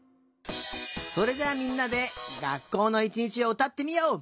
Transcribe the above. それじゃみんなでがっこうのいちにちをうたってみよう。